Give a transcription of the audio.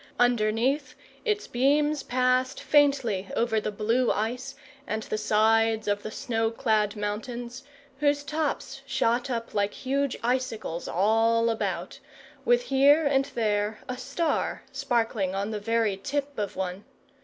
Underneath, its beams passed faintly over the blue ice and the sides of the snow clad mountains, whose tops shot up like huge icicles all about, with here and there a star sparkling on the very tip of one.